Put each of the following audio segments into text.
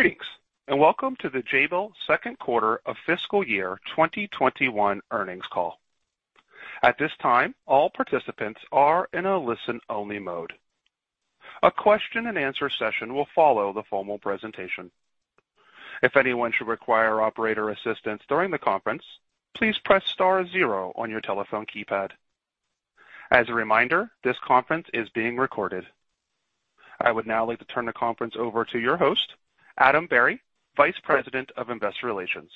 Greetings and welcome to the Jabil second quarter of fiscal year 2021 earnings call. At this time, all participants are in a listen-only mode. A question-and-answer session will follow the formal presentation. If anyone should require operator assistance during the conference, please press Star zero on your telephone keypad. As a reminder, this conference is being recorded. I would now like to turn the conference over to your host, Adam Berry, Vice President of Investor Relations.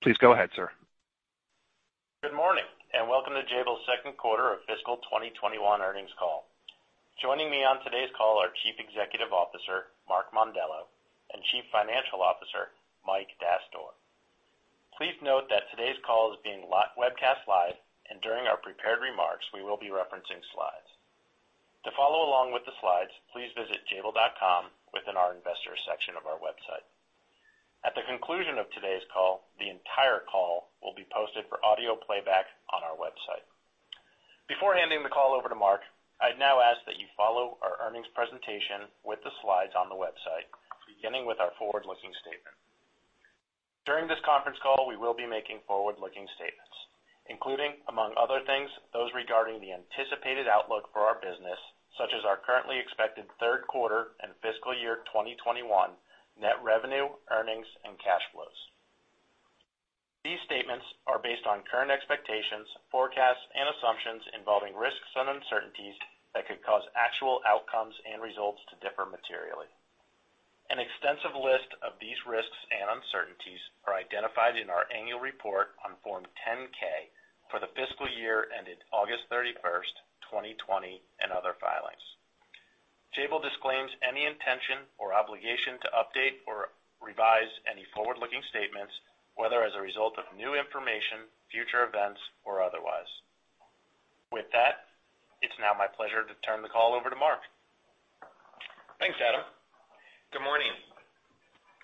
Please go ahead, sir. Good morning and welcome to Jabil second quarter of fiscal 2021 earnings call. Joining me on today's call are Chief Executive Officer, Mark Mondello, and Chief Financial Officer, Mike Dastoor. Please note that today's call is being webcast live, and during our prepared remarks, we will be referencing slides. To follow along with the slides, please visit jabil.com within our investor section of our website. At the conclusion of today's call, the entire call will be posted for audio playback on our website. Before handing the call over to Mark, I'd now ask that you follow our earnings presentation with the slides on the website, beginning with our forward-looking statement. During this conference call, we will be making forward-looking statements, including, among other things, those regarding the anticipated outlook for our business, such as our currently expected third quarter and fiscal year 2021 net revenue, earnings, and cash flows. These statements are based on current expectations, forecasts, and assumptions involving risks and uncertainties that could cause actual outcomes and results to differ materially. An extensive list of these risks and uncertainties are identified in our annual report on Form 10-K for the fiscal year ended August 31st, 2020, and other filings. Jabil disclaims any intention or obligation to update or revise any forward-looking statements, whether as a result of new information, future events, or otherwise. With that, it's now my pleasure to turn the call over to Mark. Thanks, Adam. Good morning.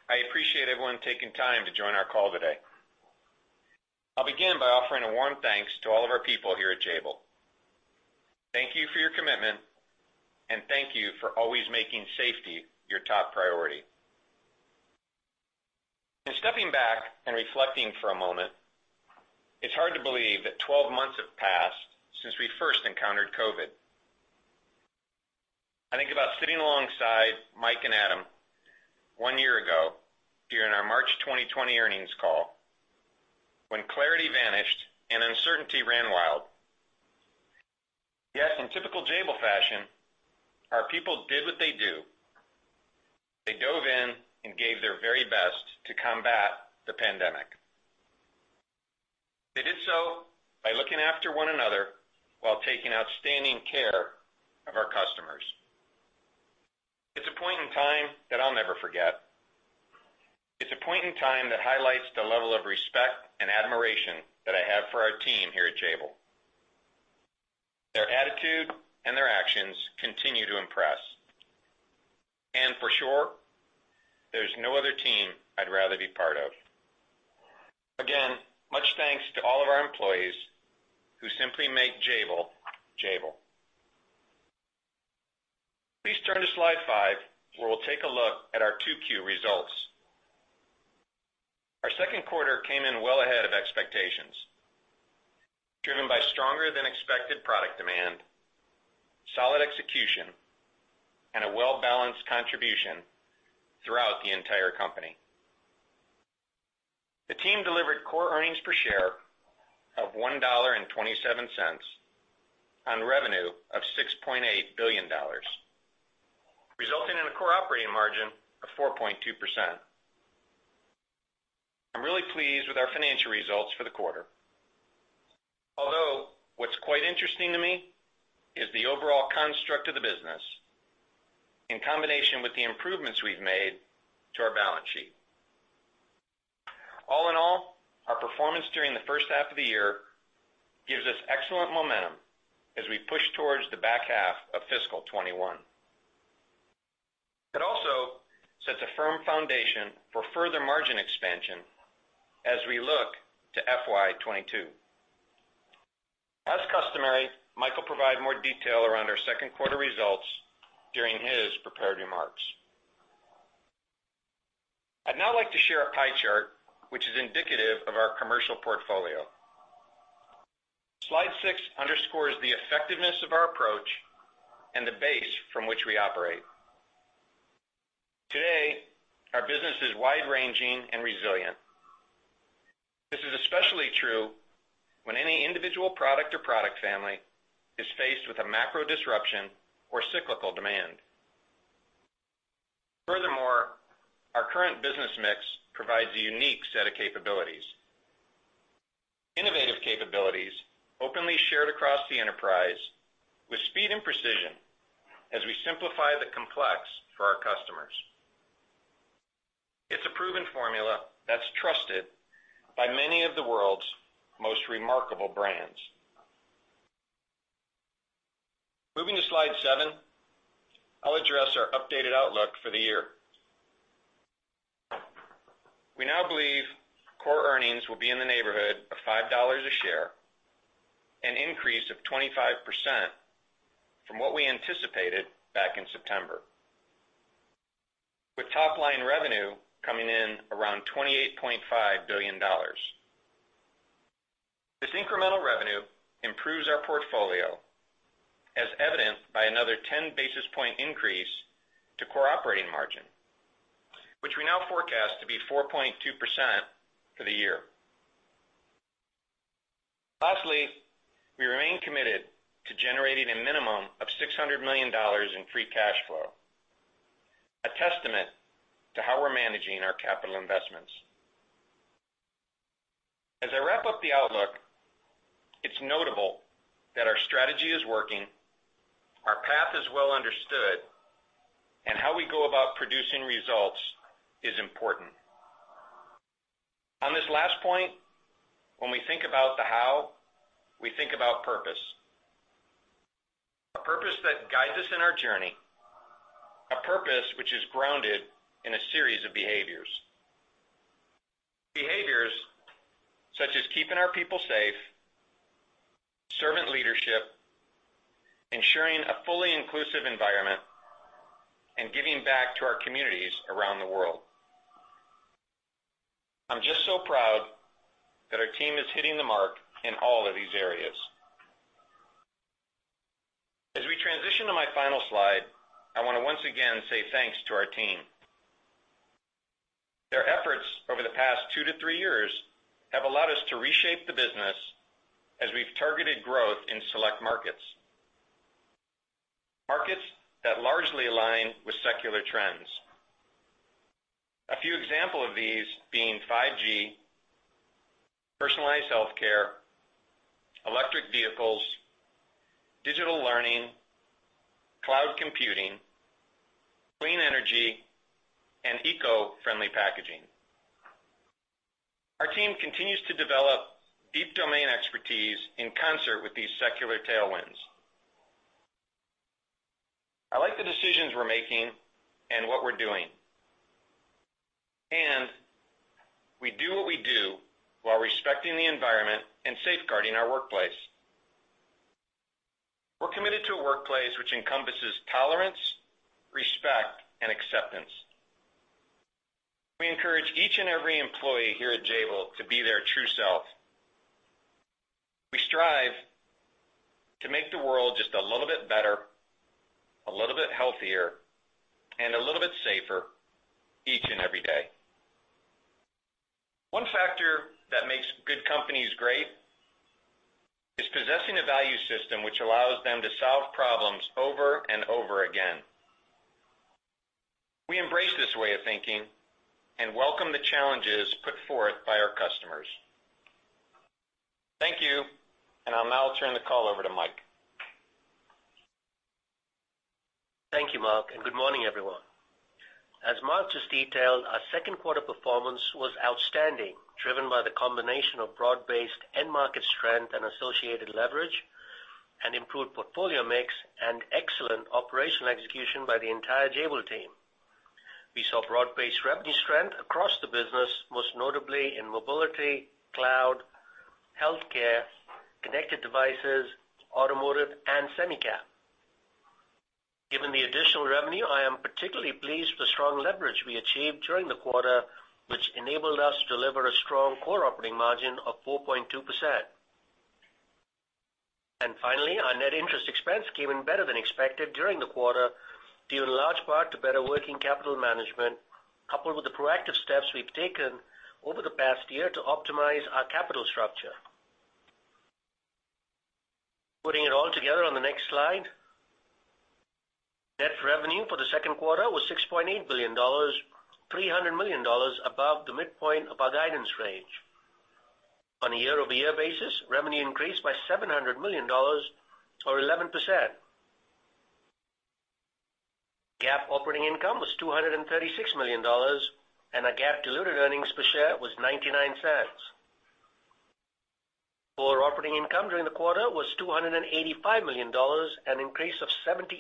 I appreciate everyone taking time to join our call today. I'll begin by offering a warm thanks to all of our people here at Jabil. Thank you for your commitment, and thank you for always making safety your top priority, and stepping back and reflecting for a moment, it's hard to believe that 12 months have passed since we first encountered COVID. I think about sitting alongside Mike and Adam one year ago during our March 2020 earnings call when clarity vanished and uncertainty ran wild. Yet, in typical Jabil fashion, our people did what they do. They dove in and gave their very best to combat the pandemic. They did so by looking after one another while taking outstanding care of our customers. It's a point in time that I'll never forget. It's a point in time that highlights the level of respect and admiration that I have for our team here at Jabil. Their attitude and their actions continue to impress, and for sure, there's no other team I'd rather be part of. Again, much thanks to all of our employees who simply make Jabil, Jabil. Please turn to slide five, where we'll take a look at our Q2 results. Our second quarter came in well ahead of expectations, driven by stronger-than-expected product demand, solid execution, and a well-balanced contribution throughout the entire company. The team delivered core earnings per share of $1.27 on revenue of $6.8 billion, resulting in a core operating margin of 4.2%. I'm really pleased with our financial results for the quarter, although what's quite interesting to me is the overall construct of the business in combination with the improvements we've made to our balance sheet. All in all, our performance during the first half of the year gives us excellent momentum as we push towards the back half of fiscal 2021. It also sets a firm foundation for further margin expansion as we look to FY 2022. As customary, Mike provided more detail around our second quarter results during his prepared remarks. I'd now like to share a pie chart, which is indicative of our commercial portfolio. Slide six underscores the effectiveness of our approach and the base from which we operate. Today, our business is wide-ranging and resilient. This is especially true when any individual product or product family is faced with a macro disruption or cyclical demand. Furthermore, our current business mix provides a unique set of capabilities. Innovative capabilities openly shared across the enterprise with speed and precision as we simplify the complex for our customers. It's a proven formula that's trusted by many of the world's most remarkable brands. Moving to slide seven, I'll address our updated outlook for the year. We now believe core earnings will be in the neighborhood of $5 a share, an increase of 25% from what we anticipated back in September, with top-line revenue coming in around $28.5 billion. This incremental revenue improves our portfolio, as evident by another 10 basis point increase to core operating margin, which we now forecast to be 4.2% for the year. Lastly, we remain committed to generating a minimum of $600 million in free cash flow, a testament to how we're managing our capital investments. As I wrap up the outlook, it's notable that our strategy is working, our path is well understood, and how we go about producing results is important. On this last point, when we think about the how, we think about purpose. A purpose that guides us in our journey, a purpose which is grounded in a series of behaviors. Behaviors such as keeping our people safe, servant leadership, ensuring a fully inclusive environment, and giving back to our communities around the world. I'm just so proud that our team is hitting the mark in all of these areas. As we transition to my final slide, I want to once again say thanks to our team. Their efforts over the past two to three years have allowed us to reshape the business as we've targeted growth in select markets, markets that largely align with secular trends. A few examples of these being 5G, personalized healthcare, electric vehicles, digital learning, cloud computing, clean energy, and eco-friendly packaging. Our team continues to develop deep domain expertise in concert with these secular tailwinds. I like the decisions we're making and what we're doing. And we do what we do while respecting the environment and safeguarding our workplace. We're committed to a workplace which encompasses tolerance, respect, and acceptance. We encourage each and every employee here at Jabil to be their true self. We strive to make the world just a little bit better, a little bit healthier, and a little bit safer each and every day. One factor that makes good companies great is possessing a value system which allows them to solve problems over and over again. We embrace this way of thinking and welcome the challenges put forth by our customers. Thank you, and I'll now turn the call over to Mike. Thank you, Mark, and good morning, everyone. As Mark just detailed, our second quarter performance was outstanding, driven by the combination of broad-based end-market strength and associated leverage, an improved portfolio mix, and excellent operational execution by the entire Jabil team. We saw broad-based revenue strength across the business, most notably in mobility, cloud, healthcare, connected devices, automotive, and SemiCap. Given the additional revenue, I am particularly pleased with the strong leverage we achieved during the quarter, which enabled us to deliver a strong core operating margin of 4.2%. And finally, our net interest expense came in better than expected during the quarter, due in large part to better working capital management, coupled with the proactive steps we've taken over the past year to optimize our capital structure. Putting it all together on the next slide, net revenue for the second quarter was $6.8 billion, $300 million above the midpoint of our guidance range. On a year-over-year basis, revenue increased by $700 million, or 11%. GAAP operating income was $236 million, and our GAAP-diluted earnings per share was $0.99. Core operating income during the quarter was $285 million, an increase of 78%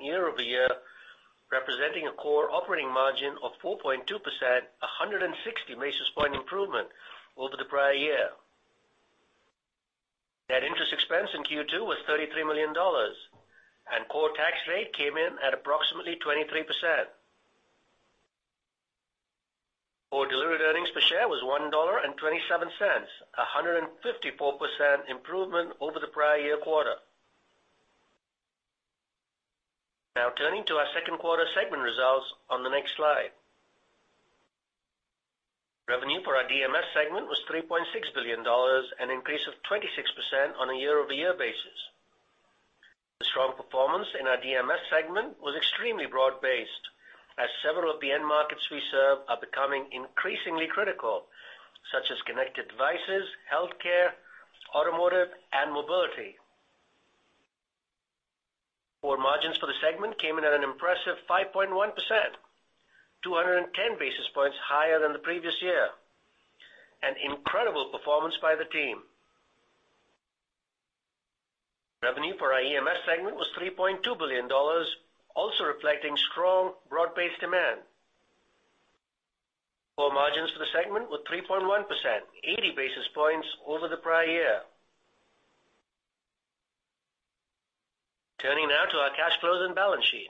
year-over-year, representing a core operating margin of 4.2%, a 160 basis points improvement over the prior year. Net interest expense in Q2 was $33 million, and core tax rate came in at approximately 23%. Core diluted earnings per share was $1.27, a 154% improvement over the prior year quarter. Now turning to our second quarter segment results on the next slide. Revenue for our DMS segment was $3.6 billion, an increase of 26% on a year-over-year basis. The strong performance in our DMS segment was extremely broad-based, as several of the end markets we serve are becoming increasingly critical, such as connected devices, healthcare, automotive, and mobility. Core margins for the segment came in at an impressive 5.1%, 210 basis points higher than the previous year. An incredible performance by the team. Revenue for our EMS segment was $3.2 billion, also reflecting strong broad-based demand. Core margins for the segment were 3.1%, 80 basis points over the prior year. Turning now to our cash flows and balance sheet.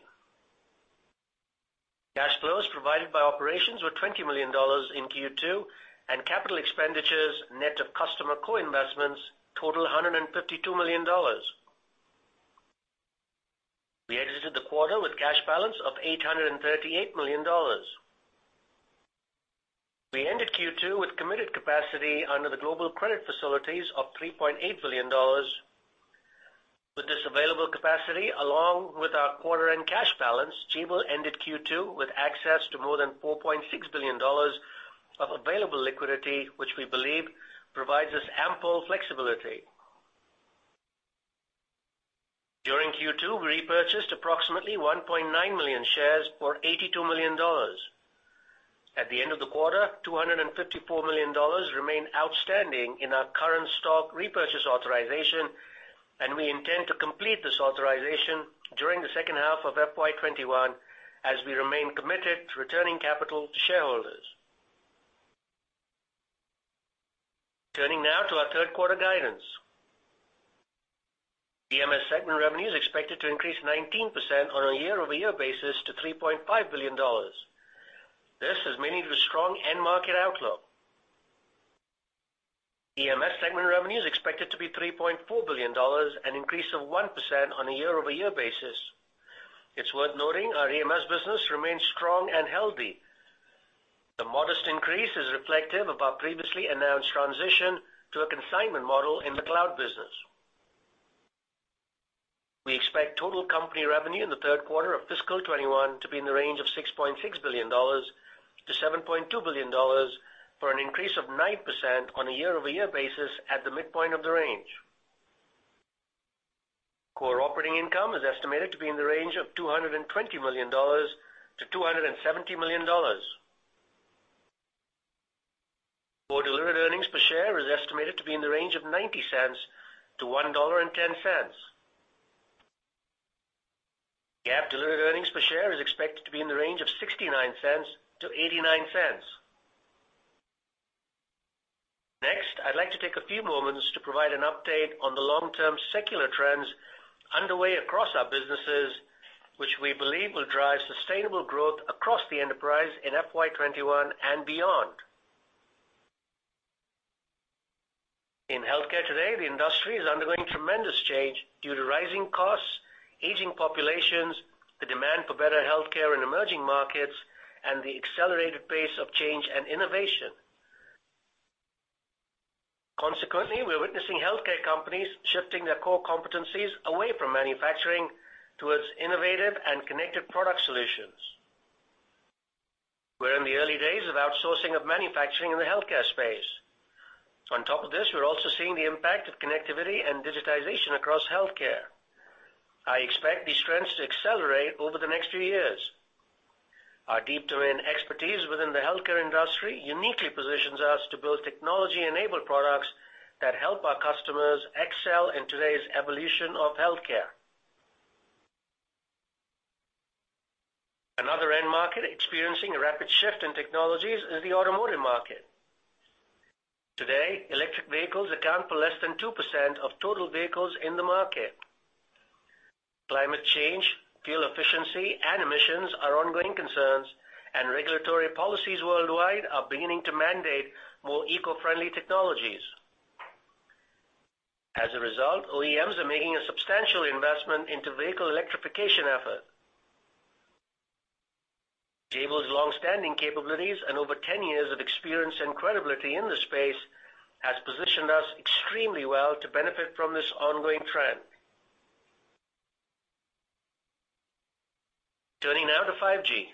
Cash flows provided by operations were $20 million in Q2, and capital expenditures net of customer co-investments totaled $152 million. We exited the quarter with a cash balance of $838 million. We ended Q2 with committed capacity under the global credit facilities of $3.8 billion. With this available capacity, along with our quarter-end cash balance, Jabil ended Q2 with access to more than $4.6 billion of available liquidity, which we believe provides us ample flexibility. During Q2, we repurchased approximately 1.9 million shares for $82 million. At the end of the quarter, $254 million remained outstanding in our current stock repurchase authorization, and we intend to complete this authorization during the second half of FY 2021 as we remain committed to returning capital to shareholders. Turning now to our third quarter guidance. EMS segment revenue is expected to increase 19% on a year-over-year basis to $3.5 billion. This has made it a strong end-market outlook. DMS segment revenue is expected to be $3.4 billion, an increase of 1% on a year-over-year basis. It's worth noting our EMS business remains strong and healthy. The modest increase is reflective of our previously announced transition to a consignment model in the cloud business. We expect total company revenue in the third quarter of fiscal 2021 to be in the range of $6.6 billion-$7.2 billion for an increase of 9% on a year-over-year basis at the midpoint of the range. Core operating income is estimated to be in the range of $220 million-$270 million. Core diluted earnings per share is estimated to be in the range of $0.90-$1.10. GAAP-diluted earnings per share is expected to be in the range of $0.69-$0.89. Next, I'd like to take a few moments to provide an update on the long-term secular trends underway across our businesses, which we believe will drive sustainable growth across the enterprise in FY 2021 and beyond. In healthcare today, the industry is undergoing tremendous change due to rising costs, aging populations, the demand for better healthcare in emerging markets, and the accelerated pace of change and innovation. Consequently, we're witnessing healthcare companies shifting their core competencies away from manufacturing towards innovative and connected product solutions. We're in the early days of outsourcing of manufacturing in the healthcare space. On top of this, we're also seeing the impact of connectivity and digitization across healthcare. I expect these trends to accelerate over the next few years. Our deep domain expertise within the healthcare industry uniquely positions us to build technology-enabled products that help our customers excel in today's evolution of healthcare. Another end market experiencing a rapid shift in technologies is the automotive market. Today, electric vehicles account for less than two percent of total vehicles in the market. Climate change, fuel efficiency, and emissions are ongoing concerns, and regulatory policies worldwide are beginning to mandate more eco-friendly technologies. As a result, OEMs are making a substantial investment into vehicle electrification efforts. Jabil's long-standing capabilities and over 10 years of experience and credibility in the space have positioned us extremely well to benefit from this ongoing trend. Turning now to 5G.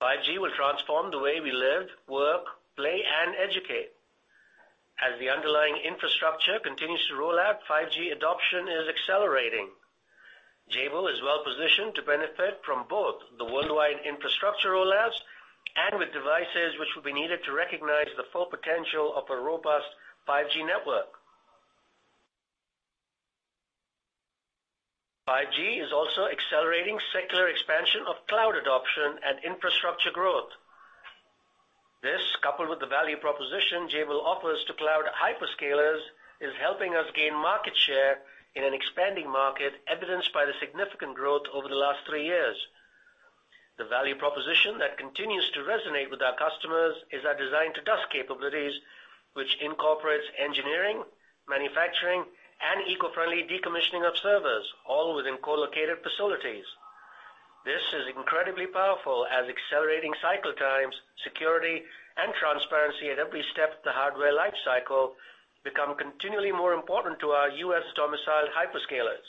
5G will transform the way we live, work, play, and educate. As the underlying infrastructure continues to roll out, 5G adoption is accelerating. Jabil is well-positioned to benefit from both the worldwide infrastructure rollouts and with devices which will be needed to recognize the full potential of a robust 5G network. 5G is also accelerating secular expansion of cloud adoption and infrastructure growth. This, coupled with the value proposition Jabil offers to cloud hyperscalers, is helping us gain market share in an expanding market, evidenced by the significant growth over the last three years. The value proposition that continues to resonate with our customers is our design-to-dust capabilities, which incorporates engineering, manufacturing, and eco-friendly decommissioning of servers, all within co-located facilities. This is incredibly powerful as accelerating cycle times, security, and transparency at every step of the hardware lifecycle become continually more important to our U.S.-domiciled hyperscalers,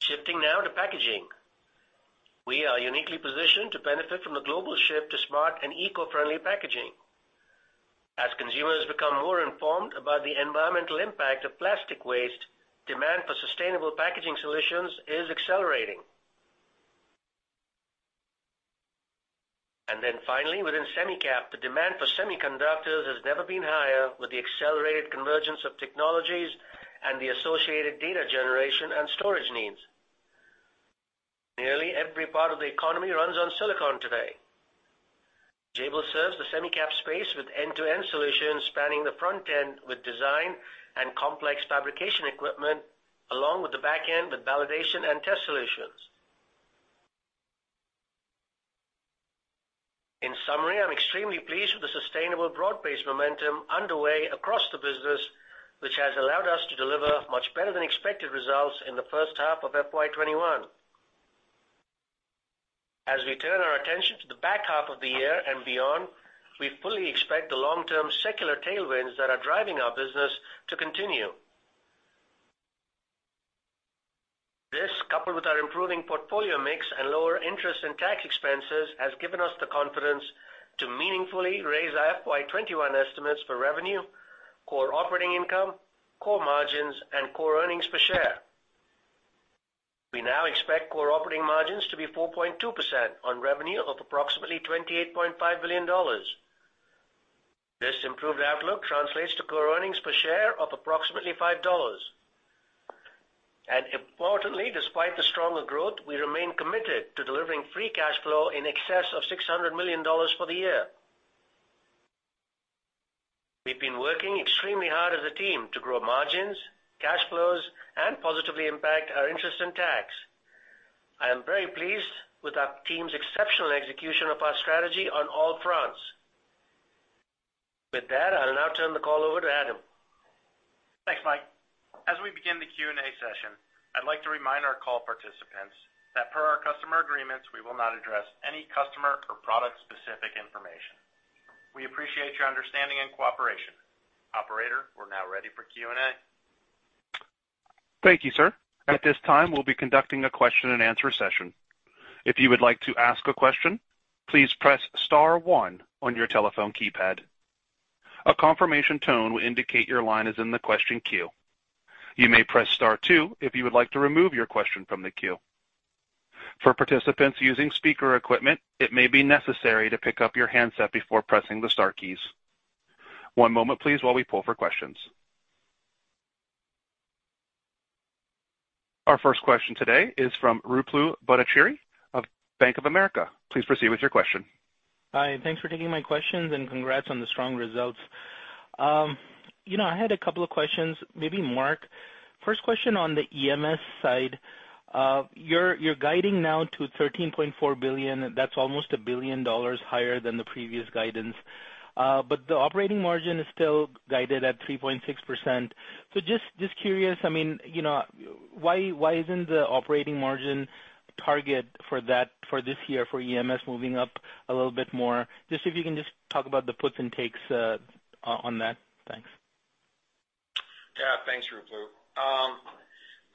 shifting now to packaging. We are uniquely positioned to benefit from the global shift to smart and eco-friendly packaging. As consumers become more informed about the environmental impact of plastic waste, demand for sustainable packaging solutions is accelerating, and then finally, within SemiCap, the demand for semiconductors has never been higher with the accelerated convergence of technologies and the associated data generation and storage needs. Nearly every part of the economy runs on silicon today. Jabil serves the SemiCap space with end-to-end solutions spanning the front end with design and complex fabrication equipment, along with the back end with validation and test solutions. In summary, I'm extremely pleased with the sustainable broad-based momentum underway across the business, which has allowed us to deliver much better than expected results in the first half of FY 2021. As we turn our attention to the back half of the year and beyond, we fully expect the long-term secular tailwinds that are driving our business to continue. This, coupled with our improving portfolio mix and lower interest and tax expenses, has given us the confidence to meaningfully raise our FY 2021 estimates for revenue, core operating income, core margins, and core earnings per share. We now expect core operating margins to be 4.2% on revenue of approximately $28.5 billion. This improved outlook translates to core earnings per share of approximately $5. And importantly, despite the stronger growth, we remain committed to delivering free cash flow in excess of $600 million for the year. We've been working extremely hard as a team to grow margins, cash flows, and positively impact our interest and tax. I am very pleased with our team's exceptional execution of our strategy on all fronts. With that, I'll now turn the call over to Adam. Thanks, Mike. As we begin the Q&A session, I'd like to remind our call participants that per our customer agreements, we will not address any customer or product-specific information. We appreciate your understanding and cooperation. Operator, we're now ready for Q&A. Thank you, sir. At this time, we'll be conducting a question-and-answer session. If you would like to ask a question, please press Star one on your telephone keypad. A confirmation tone will indicate your line is in the question queue. You may press Star two if you would like to remove your question from the queue. For participants using speaker equipment, it may be necessary to pick up your handset before pressing the Star keys. One moment, please, while we pull for questions. Our first question today is from Ruplu Bhattacharya of Bank of America. Please proceed with your question. Hi. Thanks for taking my questions, and congrats on the strong results. You know, I had a couple of questions, maybe Mark. First question on the EMS side. You're guiding now to $13.4 billion. That's almost a billion dollars higher than the previous guidance. But the operating margin is still guided at 3.6%. So just curious, I mean, you know, why isn't the operating margin target for this year for EMS moving up a little bit more? Just if you can just talk about the puts and takes on that. Thanks. Yeah. Thanks, Ruplu.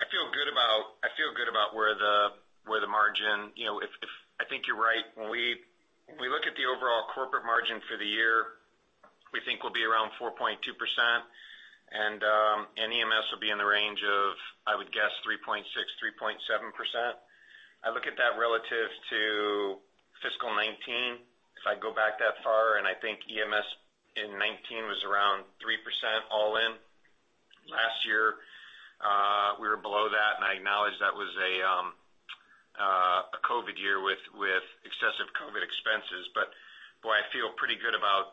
I feel good about where the margin, you know, if I think you're right. When we look at the overall corporate margin for the year, we think we'll be around 4.2%, and EMS will be in the range of, I would guess, 3.6%-3.7%. I look at that relative to fiscal 2019. If I go back that far, and I think EMS in 2019 was around 3% all in. Last year, we were below that, and I acknowledge that was a COVID year with excessive COVID expenses. But boy, I feel pretty good about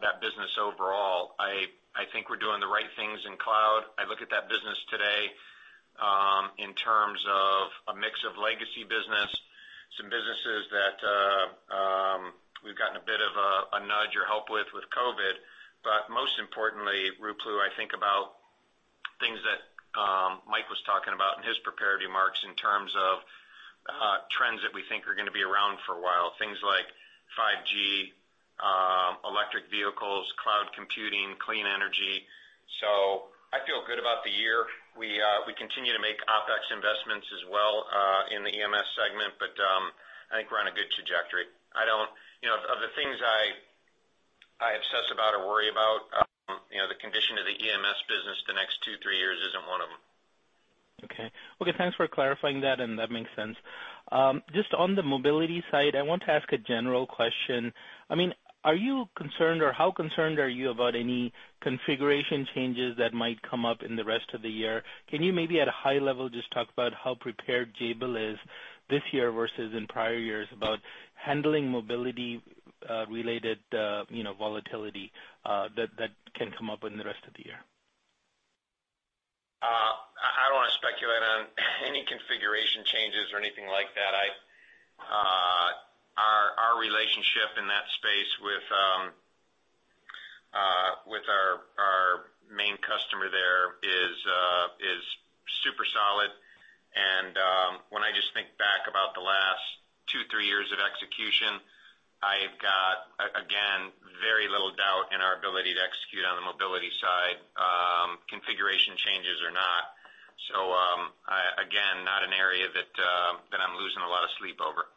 that business overall. I think we're doing the right things in cloud. I look at that business today in terms of a mix of legacy business, some businesses that we've gotten a bit of a nudge or help with COVID. But most importantly, Ruplu, I think about things that Mike was talking about in his prepared remarks in terms of trends that we think are going to be around for a while, things like 5G, electric vehicles, cloud computing, clean energy. So I feel good about the year. We continue to make OpEx investments as well in the EMS segment, but I think we're on a good trajectory. You know, of the things I obsess about or worry about, you know, the condition of the EMS business the next two, three years isn't one of them. Okay. Okay. Thanks for clarifying that, and that makes sense. Just on the mobility side, I want to ask a general question. I mean, are you concerned or how concerned are you about any configuration changes that might come up in the rest of the year? Can you maybe at a high level just talk about how prepared Jabil is this year versus in prior years about handling mobility-related, you know, volatility that can come up in the rest of the year? I don't want to speculate on any configuration changes or anything like that. Our relationship in that space with our main customer there is super solid. And when I just think back about the last two, three years of execution, I've got, again, very little doubt in our ability to execute on the mobility side. Configuration changes or not. So again, not an area that I'm losing a lot of sleep over.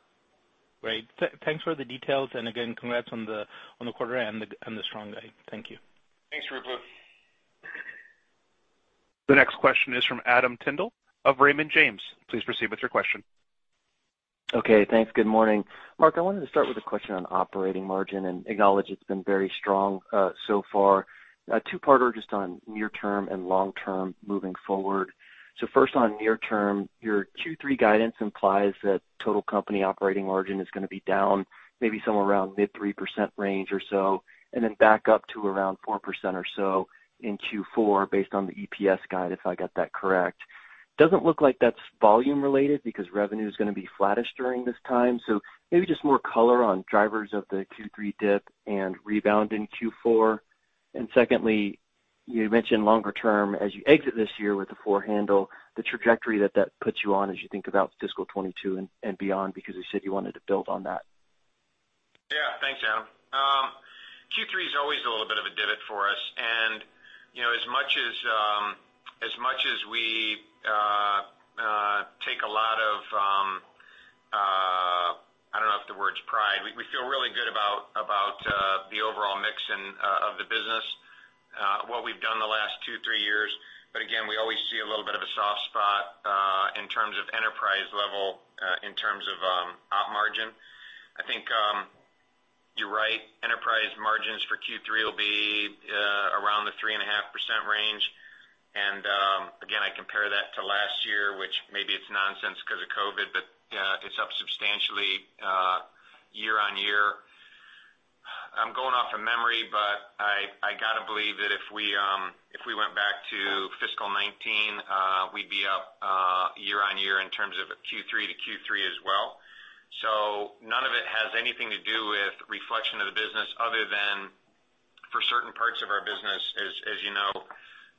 Great. Thanks for the details, and again, congrats on the quarter and the strong guide. Thank you. Thanks, Ruplu. The next question is from Adam Tindle of Raymond James. Please proceed with your question. Okay. Thanks. Good morning. Mark, I wanted to start with a question on operating margin and acknowledge it's been very strong so far. Two-parter just on near-term and long-term moving forward. So first, on near-term, your Q3 guidance implies that total company operating margin is going to be down maybe somewhere around mid-3% range or so, and then back up to around 4% or so in Q4 based on the EPS guide, if I got that correct. Doesn't look like that's volume-related because revenue is going to be flattish during this time. So maybe just more color on drivers of the Q3 dip and rebound in Q4. And secondly, you mentioned longer-term as you exit this year with the four-handle, the trajectory that that puts you on as you think about fiscal 2022 and beyond because you said you wanted to build on that. Yeah. Thanks, Adam. Q3 is always a little bit of a divot for us, and you know, as much as we take a lot of, I don't know if the word's pride, we feel really good about the overall mix of the business, what we've done the last two, three years, but again, we always see a little bit of a soft spot in terms of enterprise level, in terms of op margin. I think you're right. Enterprise margins for Q3 will be around the 3.5% range, and again, I compare that to last year, which maybe it's nonsense because of COVID, but it's up substantially year on year. I'm going off of memory, but I got to believe that if we went back to fiscal 2019, we'd be up year on year in terms of Q3 to Q3 as well. So none of it has anything to do with reflection of the business other than for certain parts of our business, as you know.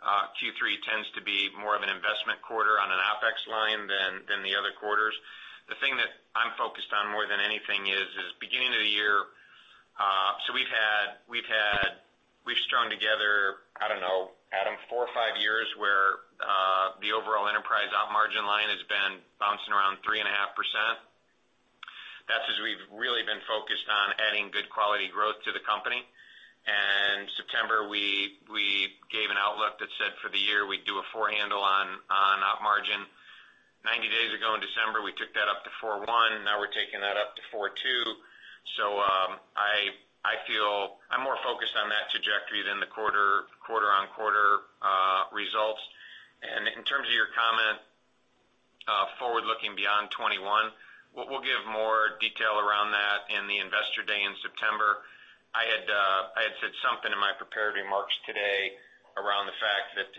Q3 tends to be more of an investment quarter on an OpEx line than the other quarters. The thing that I'm focused on more than anything is beginning of the year, so we've had, we've strung together, I don't know, Adam, four or five years where the overall enterprise Op margin line has been bouncing around 3.5%. That's as we've really been focused on adding good quality growth to the company, and September, we gave an outlook that said for the year we'd do a four-handle on Op margin. 90 days ago in December, we took that outlook up to 4.1. Now we're taking that up to 4.2, so I feel I'm more focused on that trajectory than the quarter-on-quarter results. And in terms of your comment, forward-looking beyond 2021, we'll give more detail around that in the investor day in September. I had said something in my prepared remarks today around the fact that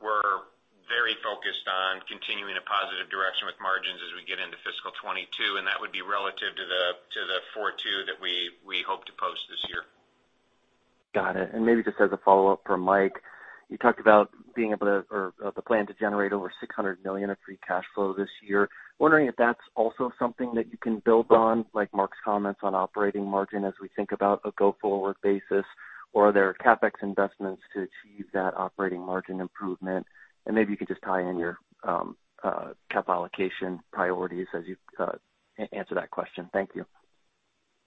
we're very focused on continuing a positive direction with margins as we get into fiscal 2022, and that would be relative to the 4.2 that we hope to post this year. Got it. And maybe just as a follow-up from Mike, you talked about being able to, or the plan to generate over $600 million of free cash flow this year. Wondering if that's also something that you can build on, like Mark's comments on operating margin as we think about a go-forward basis, or are there CapEx investments to achieve that operating margin improvement? And maybe you can just tie in your capital allocation priorities as you answer that question. Thank you.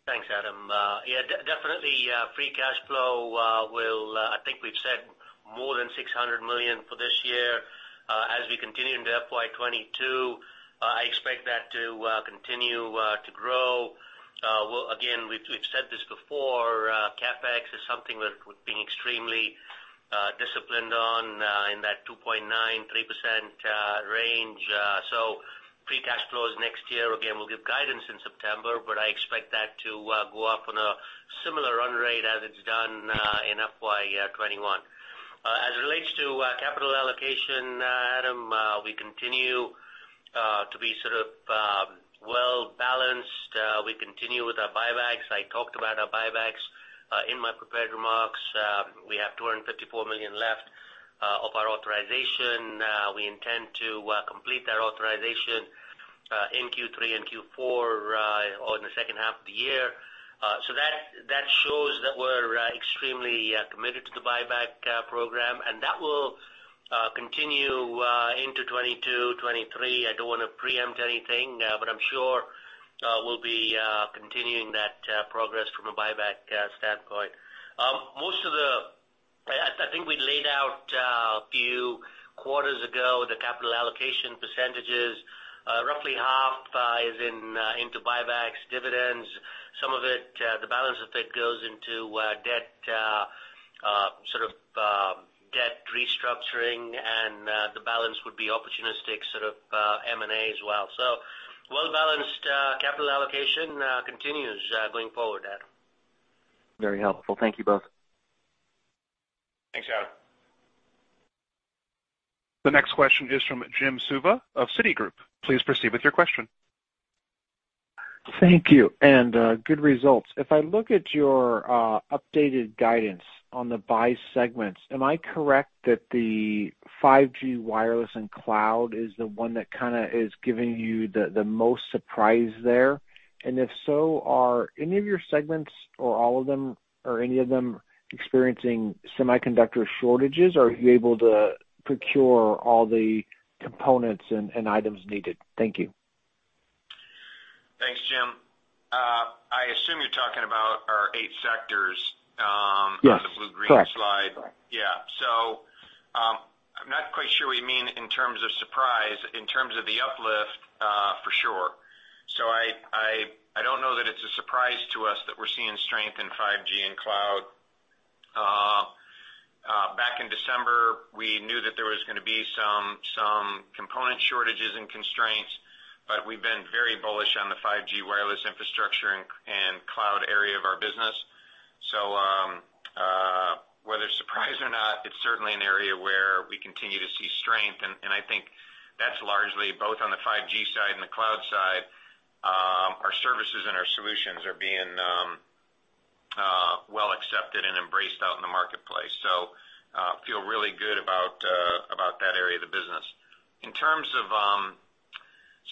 Thanks, Adam. Yeah, definitely free cash flow will, I think we've said more than $600 million for this year. As we continue into FY 2022, I expect that to continue to grow. Again, we've said this before, CapEx is something we've been extremely disciplined on in that 2.9%-3% range. So free cash flows next year, again, we'll give guidance in September, but I expect that to go up on a similar run rate as it's done in FY 2021. As it relates to capital allocation, Adam, we continue to be sort of well-balanced. We continue with our buybacks. I talked about our buybacks in my prepared remarks. We have $254 million left of our authorization. We intend to complete that authorization in Q3 and Q4 or in the second half of the year. So that shows that we're extremely committed to the buyback program, and that will continue into 2022, 2023. I don't want to preempt anything, but I'm sure we'll be continuing that progress from a buyback standpoint. Most of the, I think we laid out a few quarters ago the capital allocation percentages. Roughly half is into buybacks, dividends. Some of it, the balance of it goes into debt, sort of debt restructuring, and the balance would be opportunistic sort of M&A as well. So well-balanced capital allocation continues going forward, Adam. Very helpful. Thank you both. Thanks, Adam. The next question is from Jim Suva of Citigroup. Please proceed with your question. Thank you. And good results. If I look at your updated guidance on the business segments, am I correct that the 5G wireless and cloud is the one that kind of is giving you the most surprise there? And if so, are any of your segments or all of them or any of them experiencing semiconductor shortages, or are you able to procure all the components and items needed? Thank you. Thanks, Jim. I assume you're talking about our eight sectors on the blue-green slide. Yes. Correct. Yeah. So I'm not quite sure what you mean in terms of surprise, in terms of the uplift for sure. So I don't know that it's a surprise to us that we're seeing strength in 5G and cloud. Back in December, we knew that there was going to be some component shortages and constraints, but we've been very bullish on the 5G wireless infrastructure and cloud area of our business. So whether surprise or not, it's certainly an area where we continue to see strength. And I think that's largely both on the 5G side and the cloud side. Our services and our solutions are being well accepted and embraced out in the marketplace. So I feel really good about that area of the business. In terms of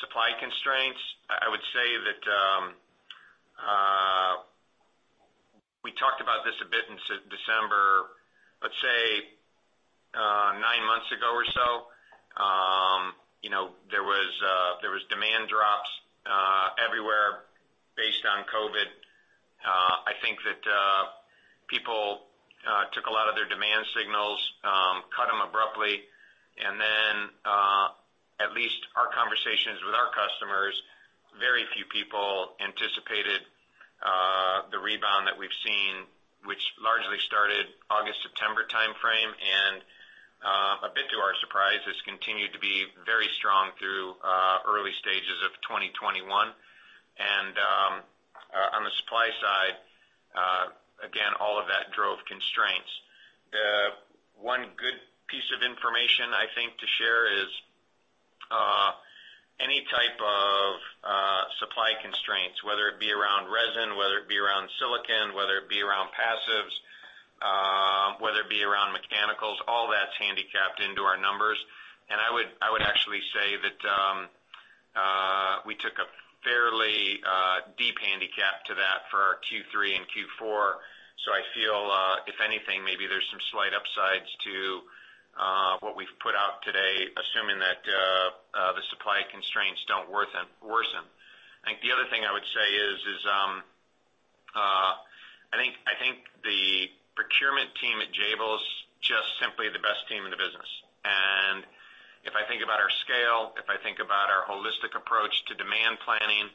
supply constraints, I would say that we talked about this a bit in December, let's say nine months ago or so. You know, there was demand drops everywhere based on COVID. I think that people took a lot of their demand signals, cut them abruptly, and then at least our conversations with our customers, very few people anticipated the rebound that we've seen, which largely started August, September timeframe, and a bit to our surprise, it's continued to be very strong through early stages of 2021, and on the supply side, again, all of that drove constraints. One good piece of information I think to share is any type of supply constraints, whether it be around resin, whether it be around silicon, whether it be around passives, whether it be around mechanicals, all that's handicapped into our numbers, and I would actually say that we took a fairly deep handicap to that for our Q3 and Q4. So I feel if anything, maybe there's some slight upsides to what we've put out today, assuming that the supply constraints don't worsen. I think the other thing I would say is, I think the procurement team at Jabil's just simply the best team in the business. And if I think about our scale, if I think about our holistic approach to demand planning,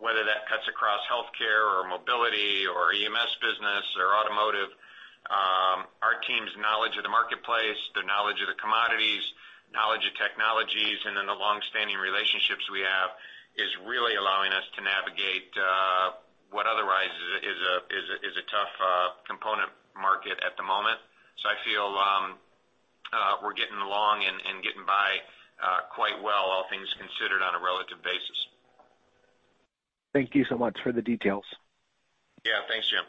whether that cuts across healthcare or mobility or EMS business or automotive, our team's knowledge of the marketplace, the knowledge of the commodities, knowledge of technologies, and then the long-standing relationships we have is really allowing us to navigate what otherwise is a tough component market at the moment. So I feel we're getting along and getting by quite well, all things considered on a relative basis. Thank you so much for the details. Yeah. Thanks, Jim.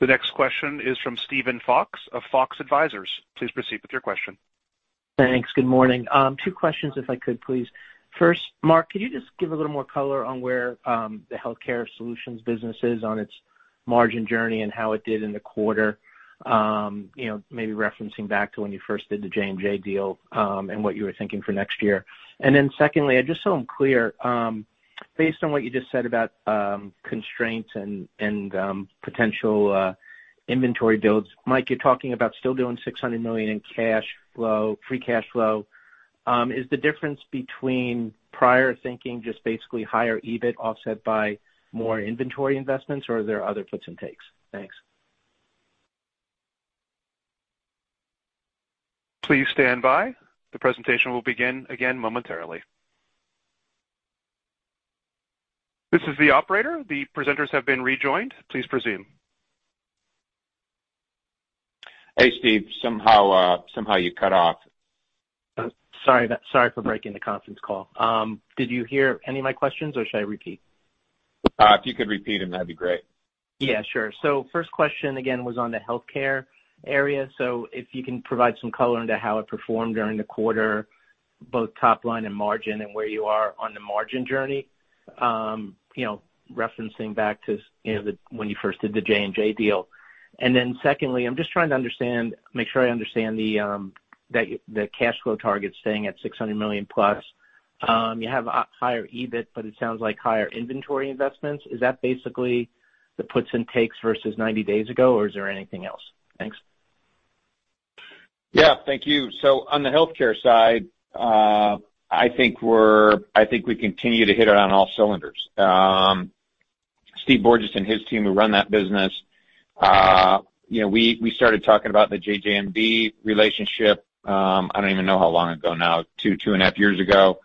The next question is from Steven Fox of Fox Advisors. Please proceed with your question. Thanks. Good morning. Two questions if I could, please. First, Mark, could you just give a little more color on where the healthcare solutions business is on its margin journey and how it did in the quarter, you know, maybe referencing back to when you first did the J&J deal and what you were thinking for next year? And then secondly, just so I'm clear, based on what you just said about constraints and potential inventory builds, Mike, you're talking about still doing $600 million in cash flow, free cash flow. Is the difference between prior thinking just basically higher EBIT offset by more inventory investments, or are there other puts and takes? Thanks. Please stand by. The presentation will begin again momentarily. This is the operator. The presenters have been rejoined. Please proceed. Hey, Steve. Somehow you cut off. Sorry for breaking the conference call. Did you hear any of my questions, or should I repeat? If you could repeat them, that'd be great. Yeah, sure, so first question again was on the healthcare area, so if you can provide some color into how it performed during the quarter, both top line and margin and where you are on the margin journey, you know, referencing back to when you first did the J&J deal, and then secondly, I'm just trying to understand, make sure I understand that the cash flow target's staying at $600 million+. You have higher EBIT, but it sounds like higher inventory investments. Is that basically the puts and takes versus 90 days ago, or is there anything else? Thanks. Yeah. Thank you. So on the healthcare side, I think we continue to hit it on all cylinders. Steve Borges and his team who run that business, you know, we started talking about the JJMD relationship, I don't even know how long ago now, two, two and a half years ago.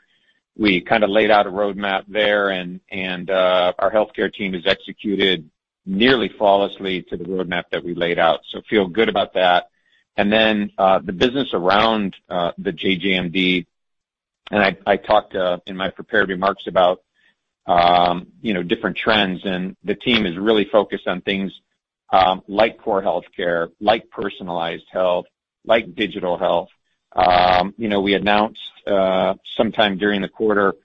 We kind of laid out a roadmap there, and our healthcare team has executed nearly flawlessly to the roadmap that we laid out. So feel good about that. And then the business around the JJMD, and I talked in my prepared remarks about, you know, different trends, and the team is really focused on things like core healthcare, like personalized health, like digital health. You know, we announced sometime during the quarter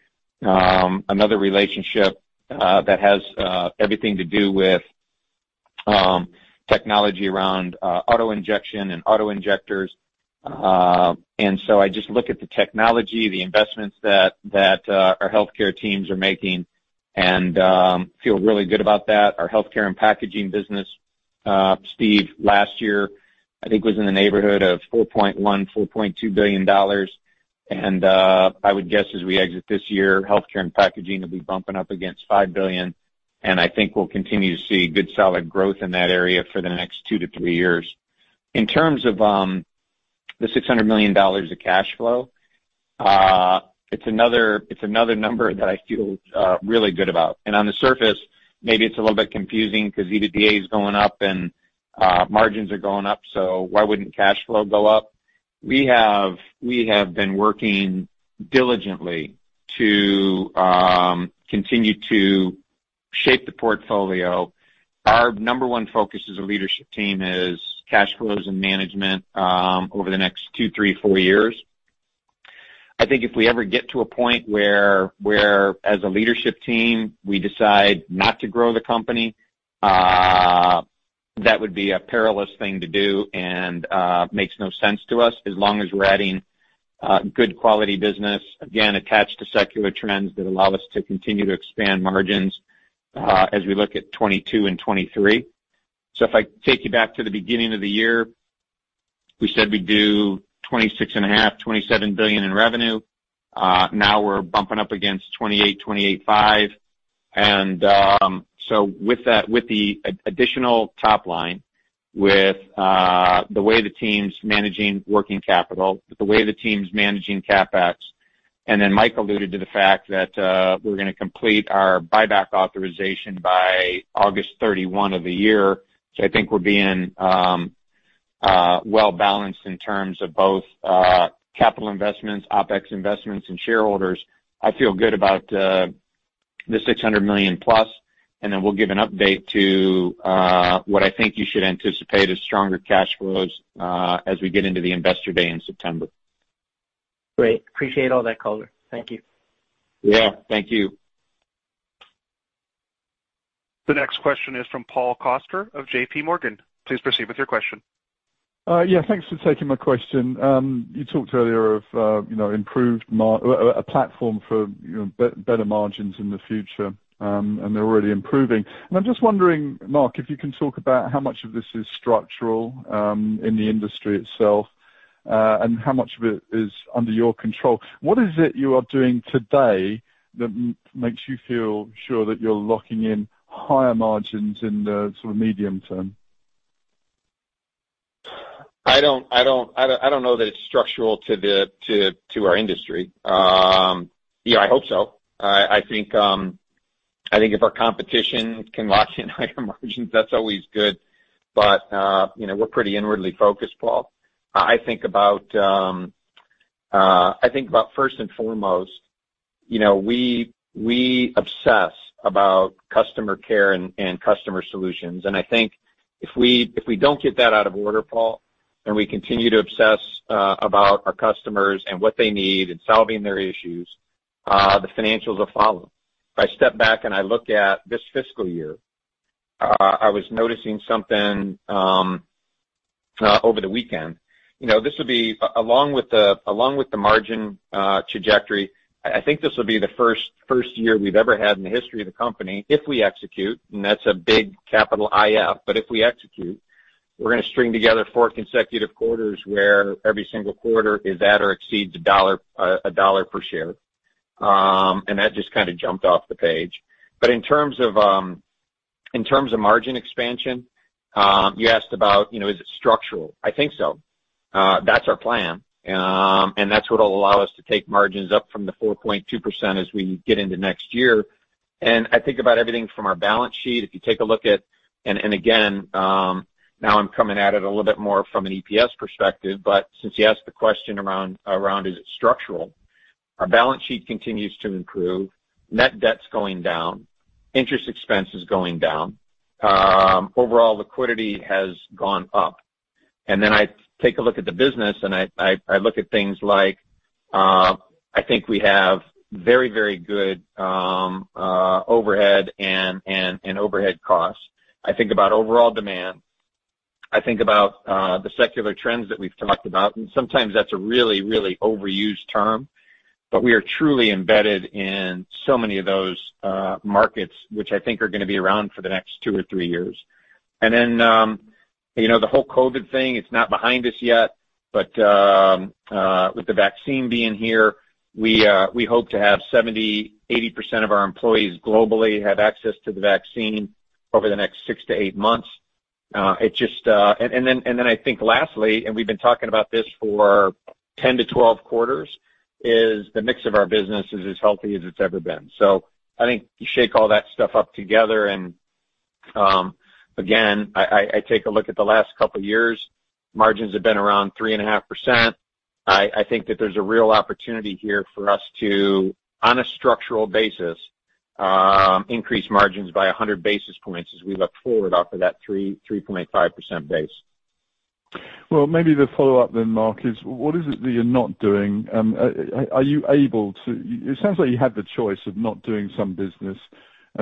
another relationship that has everything to do with technology around auto-injector and auto-injectors. And so I just look at the technology, the investments that our healthcare teams are making, and feel really good about that. Our healthcare and packaging business, Steve, last year, I think was in the neighborhood of $4.1 billion-$4.2 billion. And I would guess as we exit this year, healthcare and packaging will be bumping up against $5 billion. And I think we'll continue to see good solid growth in that area for the next two to three years. In terms of the $600 million of cash flow, it's another number that I feel really good about. And on the surface, maybe it's a little bit confusing because EBITDA is going up and margins are going up, so why wouldn't cash flow go up? We have been working diligently to continue to shape the portfolio. Our number one focus as a leadership team is cash flows and management over the next two, three, four years. I think if we ever get to a point where as a leadership team we decide not to grow the company, that would be a perilous thing to do and makes no sense to us as long as we're adding good quality business, again, attached to secular trends that allow us to continue to expand margins as we look at 2022 and 2023. So if I take you back to the beginning of the year, we said we do $26.5 billion-$27 billion in revenue. Now we're bumping up against $28 billion-$28.5 billion. And so with the additional top line, with the way the team's managing working capital, the way the team's managing CapEx, and then Mike alluded to the fact that we're going to complete our buyback authorization by August 31 of the year, so I think we're being well-balanced in terms of both capital investments, OpEx investments, and shareholders. I feel good about the $600 million+, and then we'll give an update to what I think you should anticipate as stronger cash flows as we get into the investor day in September. Great. Appreciate all that, Calder. Thank you. Yeah. Thank you. The next question is from Paul Coster of JP Morgan. Please proceed with your question. Yeah. Thanks for taking my question. You talked earlier of, you know, improved margins, a platform for better margins in the future, and they're already improving. And I'm just wondering, Mark, if you can talk about how much of this is structural in the industry itself and how much of it is under your control. What is it you are doing today that makes you feel sure that you're locking in higher margins in the sort of medium term? I don't know that it's structural to our industry. Yeah, I hope so. I think if our competition can lock in higher margins, that's always good. But, you know, we're pretty inwardly focused, Paul. I think about first and foremost, you know, we obsess about customer care and customer solutions. And I think if we don't get that out of order, Paul, and we continue to obsess about our customers and what they need and solving their issues, the financials will follow. If I step back and I look at this fiscal year, I was noticing something over the weekend. You know, this will be along with the margin trajectory. I think this will be the first year we've ever had in the history of the company if we execute, and that's a big capital IF, but if we execute, we're going to string together four consecutive quarters where every single quarter is at or exceeds $1 per share, and that just kind of jumped off the page, but in terms of margin expansion you asked about, you know, is it structural? I think so. That's our plan, and that's what will allow us to take margins up from the 4.2% as we get into next year, and I think about everything from our balance sheet. If you take a look at, and again, now I'm coming at it a little bit more from an EPS perspective, but since you asked the question around is it structural, our balance sheet continues to improve. Net debt's going down. Interest expense is going down. Overall liquidity has gone up. And then I take a look at the business and I look at things like I think we have very, very good overhead and overhead costs. I think about overall demand. I think about the secular trends that we've talked about. And sometimes that's a really, really overused term, but we are truly embedded in so many of those markets, which I think are going to be around for the next two or three years. And then, you know, the whole COVID thing. It's not behind us yet, but with the vaccine being here, we hope to have 70%-80% of our employees globally have access to the vaccine over the next six-to-eight months. It just, and then I think lastly, and we've been talking about this for 10-12 quarters, is the mix of our business is as healthy as it's ever been. So I think you shake all that stuff up together. And again, I take a look at the last couple of years, margins have been around 3.5%. I think that there's a real opportunity here for us to, on a structural basis, increase margins by 100 basis points as we look forward off of that 3.5% base. Well, maybe the follow-up then, Mark, is what is it that you're not doing? Are you able to, it sounds like you had the choice of not doing some business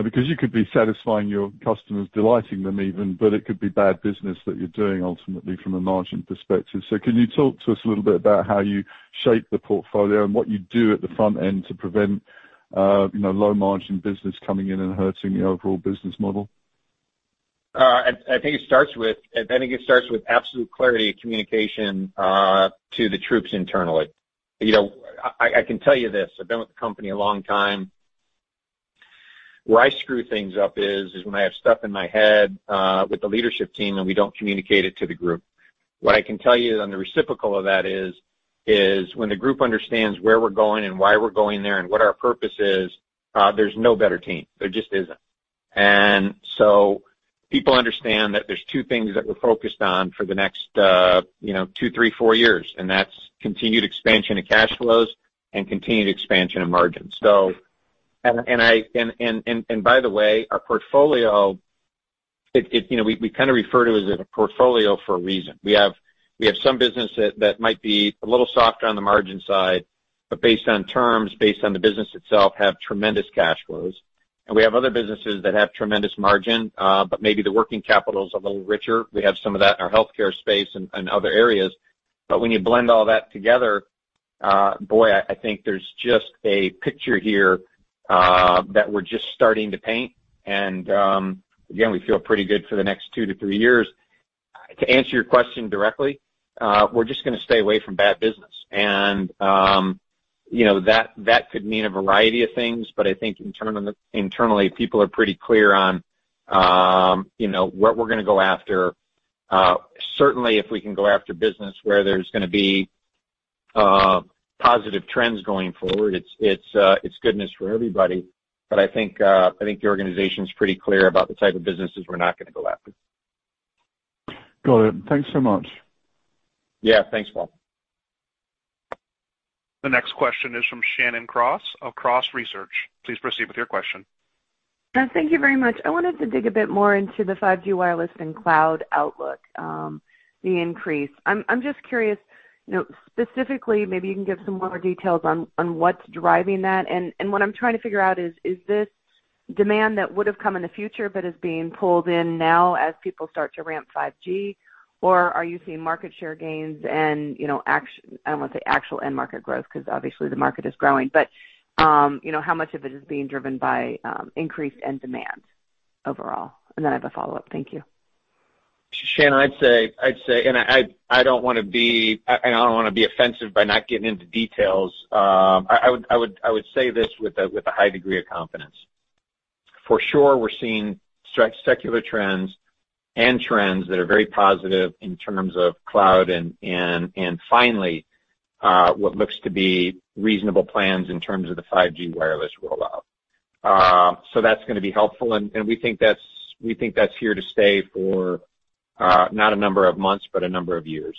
because you could be satisfying your customers, delighting them even, but it could be bad business that you're doing ultimately from a margin perspective. So can you talk to us a little bit about how you shape the portfolio and what you do at the front end to prevent, you know, low margin business coming in and hurting the overall business model? I think it starts with absolute clarity and communication to the troops internally. You know, I can tell you this. I've been with the company a long time. Where I screw things up is when I have stuff in my head with the leadership team and we don't communicate it to the group. What I can tell you on the reciprocal of that is when the group understands where we're going and why we're going there and what our purpose is, there's no better team. There just isn't, and so people understand that there's two things that we're focused on for the next, you know, two, three, four years, and that's continued expansion of cash flows and continued expansion of margins, so, and by the way, our portfolio, you know, we kind of refer to it as a portfolio for a reason. We have some business that might be a little softer on the margin side, but based on terms, based on the business itself, have tremendous cash flows. And we have other businesses that have tremendous margin, but maybe the working capital's a little richer. We have some of that in our healthcare space and other areas. But when you blend all that together, boy, I think there's just a picture here that we're just starting to paint. And again, we feel pretty good for the next two to three years. To answer your question directly, we're just going to stay away from bad business. And, you know, that could mean a variety of things, but I think internally people are pretty clear on, you know, what we're going to go after. Certainly, if we can go after business where there's going to be positive trends going forward, it's goodness for everybody. But I think the organization's pretty clear about the type of businesses we're not going to go after. Got it. Thanks so much. Yeah. Thanks, Paul. The next question is from Shannon Cross of Cross Research. Please proceed with your question. Thank you very much. I wanted to dig a bit more into the 5G wireless and cloud outlook, the increase. I'm just curious, you know, specifically, maybe you can give some more details on what's driving that. And what I'm trying to figure out is, is this demand that would have come in the future but is being pulled in now as people start to ramp 5G, or are you seeing market share gains and, you know, I don't want to say actual end market growth because obviously the market is growing, but, you know, how much of it is being driven by increased end demand overall? And then I have a follow-up. Thank you. Shannon, I'd say, and I don't want to be offensive by not getting into details. I would say this with a high degree of confidence. For sure, we're seeing secular trends and trends that are very positive in terms of cloud and finally what looks to be reasonable plans in terms of the 5G wireless rollout. So that's going to be helpful. And we think that's here to stay for not a number of months, but a number of years.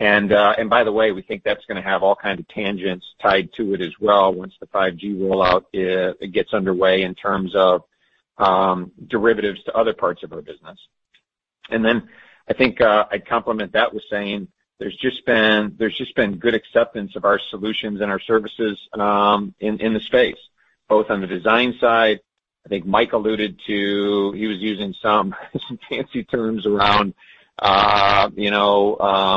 And by the way, we think that's going to have all kinds of tangents tied to it as well once the 5G rollout gets underway in terms of derivatives to other parts of our business. And then I think I'd complement that with saying there's just been good acceptance of our solutions and our services in the space, both on the design side. I think Mike alluded to. He was using some fancy terms around, you know,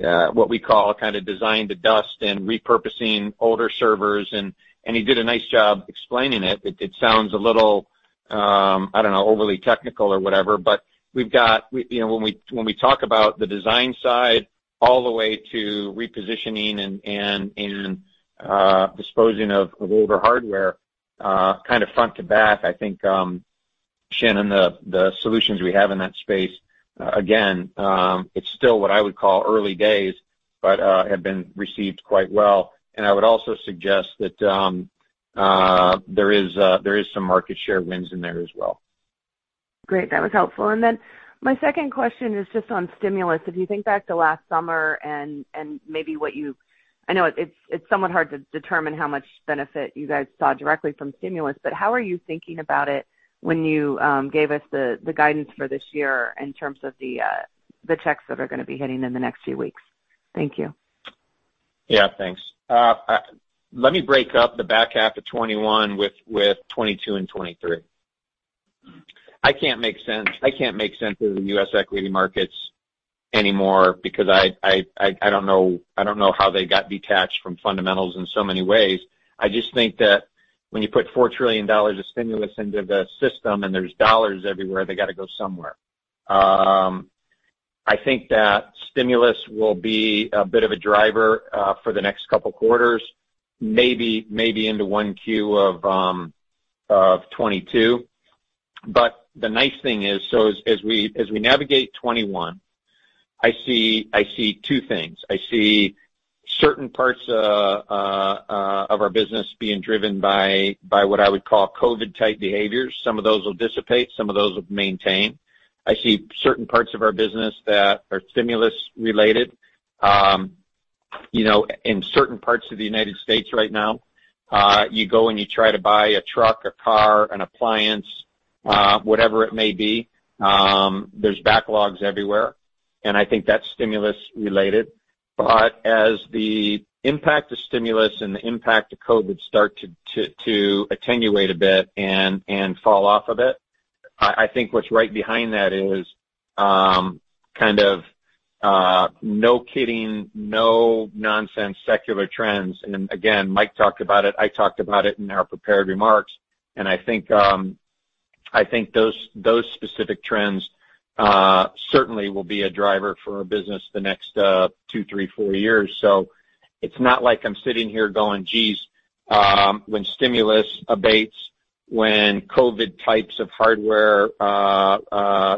what we call kind of design to dust and repurposing older servers, and he did a nice job explaining it. It sounds a little, I don't know, overly technical or whatever, but we've got, you know, when we talk about the design side all the way to repositioning and disposing of older hardware, kind of front to back, I think, Shannon, the solutions we have in that space, again, it's still what I would call early days, but have been received quite well, and I would also suggest that there is some market share wins in there as well. Great. That was helpful. And then my second question is just on stimulus. If you think back to last summer and maybe what you, I know it's somewhat hard to determine how much benefit you guys saw directly from stimulus, but how are you thinking about it when you gave us the guidance for this year in terms of the checks that are going to be hitting in the next few weeks? Thank you. Yeah. Thanks. Let me break up the back half of 2021 with 2022 and 2023. I can't make sense. I can't make sense of the U.S. equity markets anymore because I don't know how they got detached from fundamentals in so many ways. I just think that when you put $4 trillion of stimulus into the system and there's dollars everywhere, they got to go somewhere. I think that stimulus will be a bit of a driver for the next couple of quarters, maybe into one Q of 2022. But the nice thing is, so as we navigate 2021, I see two things. I see certain parts of our business being driven by what I would call COVID-type behaviors. Some of those will dissipate. Some of those will maintain. I see certain parts of our business that are stimulus-related. You know, in certain parts of the United States right now, you go and you try to buy a truck, a car, an appliance, whatever it may be, there's backlogs everywhere. And I think that's stimulus-related. But as the impact of stimulus and the impact of COVID start to attenuate a bit and fall off a bit, I think what's right behind that is kind of no kidding, no nonsense secular trends. And again, Mike talked about it. I talked about it in our prepared remarks. And I think those specific trends certainly will be a driver for our business the next two, three, four years. So it's not like I'm sitting going, "geez, when stimulus abates, when COVID types of hardware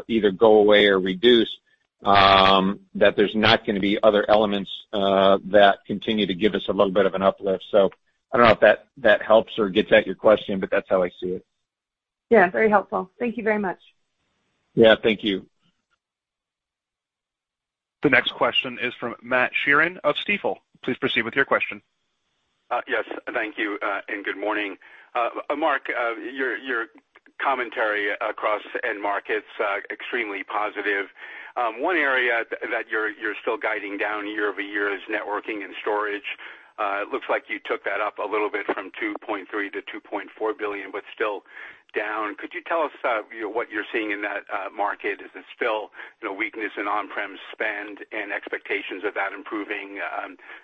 either go away or reduce," that there's not going to be other elements that continue to give us a little bit of an uplift. So I don't know if that helps or gets at your question, but that's how I see it. Yeah. Very helpful. Thank you very much. Yeah. Thank you. The next question is from Matt Sheerin of Stifel. Please proceed with your question. Yes. Thank you and good morning. Mark, your commentary across end markets is extremely positive. One area that you're still guiding down year over year is networking and storage. It looks like you took that up a little bit from $2.3 billion-$2.4 billion, but still down. Could you tell us what you're seeing in that market? Is it still weakness in on-prem spend and expectations of that improving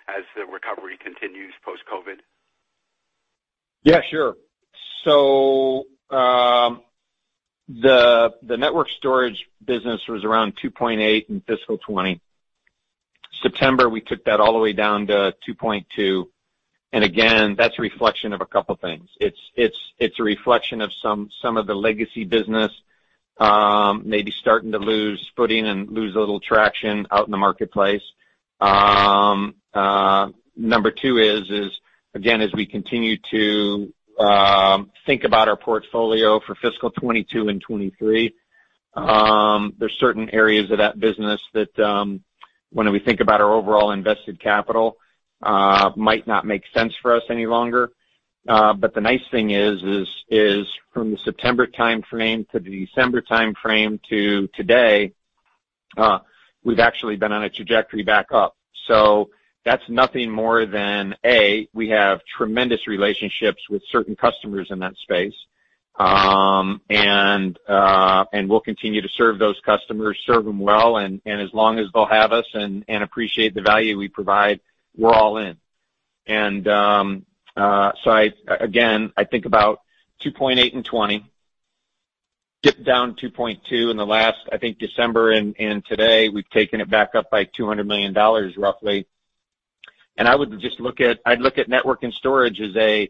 as the recovery continues post-COVID? Yeah. Sure. So the network storage business was around $2.8 billion in fiscal 2020. September, we took that all the way down to $2.2 billion. And again, that's a reflection of a couple of things. It's a reflection of some of the legacy business maybe starting to lose footing and lose a little traction out in the marketplace. Number two is, again, as we continue to think about our portfolio for fiscal 2022 and 2023, there's certain areas of that business that when we think about our overall invested capital might not make sense for us any longer. But the nice thing is, from the September timeframe to the December timeframe to today, we've actually been on a trajectory back up. So that's nothing more than, A, we have tremendous relationships with certain customers in that space. And we'll continue to serve those customers, serve them well, and as long as they'll have us and appreciate the value we provide, we're all in. And so again, I think about $2.8 billion in 2020, dip down $2.2 billion in the last, I think, December and today, we've taken it back up by $200 million roughly. And I would just look at, I'd look at network and storage as a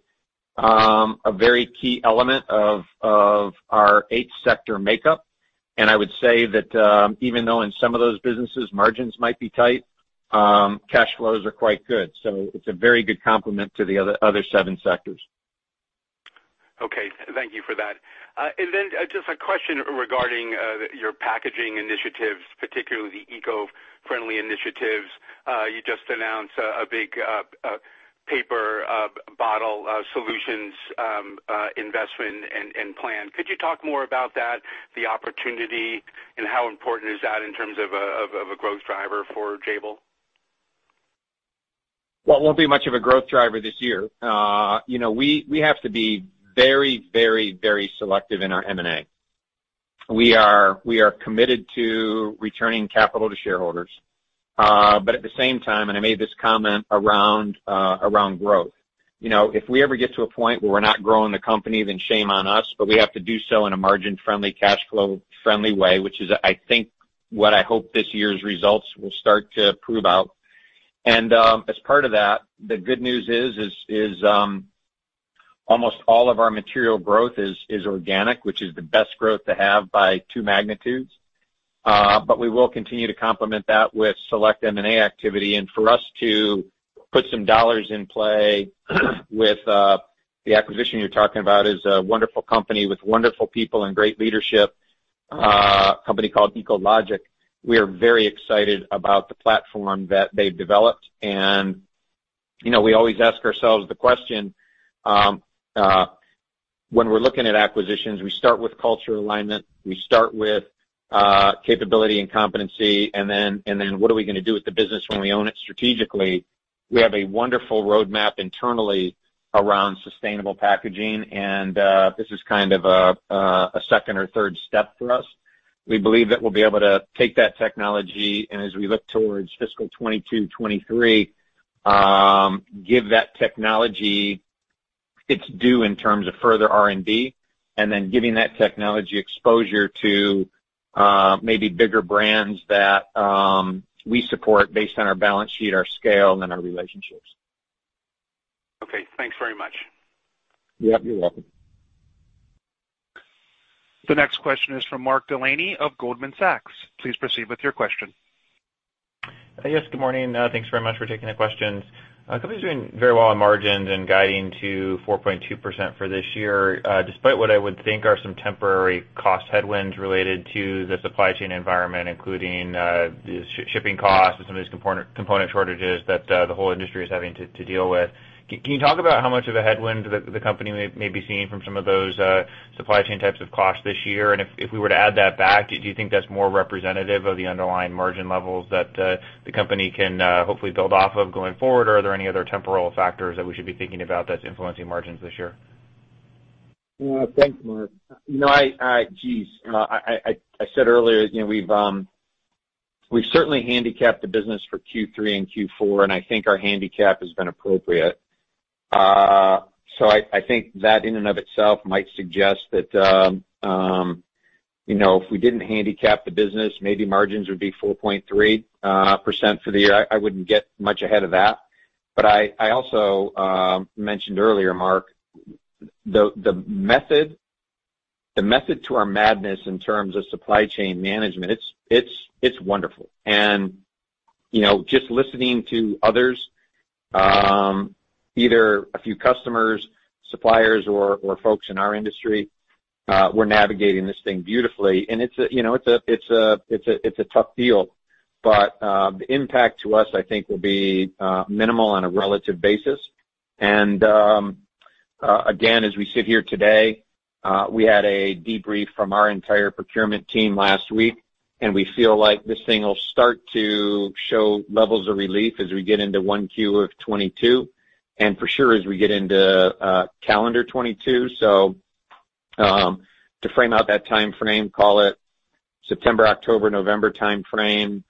very key element of our eight-sector makeup. And I would say that even though in some of those businesses, margins might be tight, cash flows are quite good. So it's a very good complement to the other seven sectors. Okay. Thank you for that. And then just a question regarding your packaging initiatives, particularly the eco-friendly initiatives. You just announced a big paper bottle solutions investment and plan. Could you talk more about that, the opportunity, and how important is that in terms of a growth driver for Jabil? Well, it won't be much of a growth driver this year. You know, we have to be very, very, very selective in our M&A. We are committed to returning capital to shareholders. But at the same time, and I made this comment around growth, you know, if we ever get to a point where we're not growing the company, then shame on us, but we have to do so in a margin-friendly, cash-flow-friendly way, which is, I think, what I hope this year's results will start to prove out. And as part of that, the good news is almost all of our material growth is organic, which is the best growth to have by two magnitudes. But we will continue to complement that with select M&A activity. And for us to put some dollars in play with the acquisition you're talking about is a wonderful company with wonderful people and great leadership, a company called Ecologic. We are very excited about the platform that they've developed. And, you know, we always ask ourselves the question, when we're looking at acquisitions, we start with culture alignment. We start with capability and competency. And then what are we going to do with the business when we own it strategically? We have a wonderful roadmap internally around sustainable packaging. And this is kind of a second or third step for us. We believe that we'll be able to take that technology, and as we look towards fiscal 2022, 2023, give that technology its due in terms of further R&D, and then giving that technology exposure to maybe bigger brands that we support based on our balance sheet, our scale, and then our relationships. Okay. Thanks very much. Yep. You're welcome. The next question is from Mark Delaney of Goldman Sachs. Please proceed with your question. Yes. Good morning. Thanks very much for taking the questions. The company is doing very well on margins and guiding to 4.2% for this year, despite what I would think are some temporary cost headwinds related to the supply chain environment, including shipping costs and some of these component shortages that the whole industry is having to deal with. Can you talk about how much of a headwind the company may be seeing from some of those supply chain types of costs this year? And if we were to add that back, do you think that's more representative of the underlying margin levels that the company can hopefully build off of going forward? Or are there any other temporal factors that we should be thinking about that's influencing margins this year? Thanks, Mark. You know, geez, I said earlier, you know, we've certainly handicapped the business for Q3 and Q4, and I think our handicap has been appropriate, so I think that in and of itself might suggest that, you know, if we didn't handicap the business, maybe margins would be 4.3% for the year. I wouldn't get much ahead of that, but I also mentioned earlier, Mark, the method to our madness in terms of supply chain management, it's wonderful, and, you know, just listening to others, either a few customers, suppliers, or folks in our industry, we're navigating this thing beautifully, and it's a tough deal, but the impact to us, I think, will be minimal on a relative basis. And again, as we sit here today, we had a debrief from our entire procurement team last week, and we feel like this thing will start to show levels of relief as we get into Q1 of 2022, and for sure as we get into calendar 2022. So to frame out that timeframe, call it September, October, November timeframe,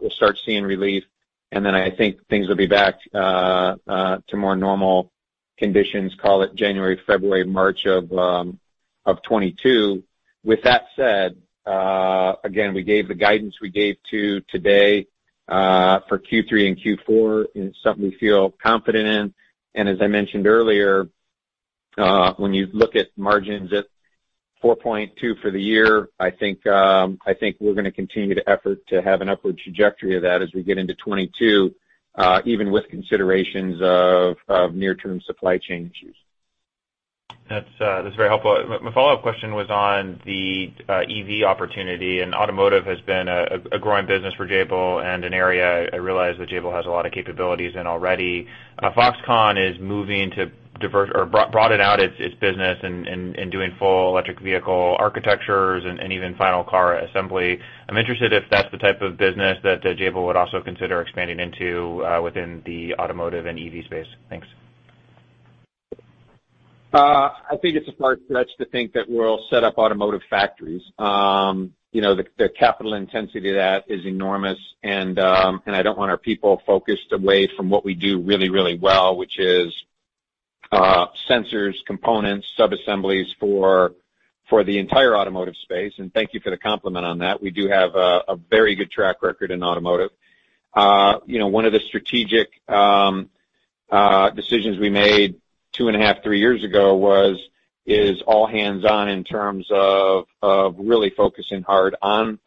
we'll start seeing relief. And then I think things will be back to more normal conditions, call it January, February, March of 2022. With that said, again, we gave the guidance we gave today for Q3 and Q4 is something we feel confident in. And as I mentioned earlier, when you look at margins at 4.2 for the year, I think we're going to continue to effort to have an upward trajectory of that as we get into 2022, even with considerations of near-term supply chain issues. That's very helpful. My follow-up question was on the EV opportunity. And automotive has been a growing business for Jabil and an area I realize that Jabil has a lot of capabilities in already. Foxconn is moving to broaden out its business and doing full electric vehicle architectures and even final car assembly. I'm interested if that's the type of business that Jabil would also consider expanding into within the automotive and EV space. Thanks. I think it's a far stretch to think that we'll set up automotive factories. You know, the capital intensity of that is enormous. And I don't want our people focused away from what we do really, really well, which is sensors, components, subassemblies for the entire automotive space. And thank you for the compliment on that. We do have a very good track record in automotive. You know, one of the strategic decisions we made two and a half, three years ago was all hands on in terms of really focusing hard on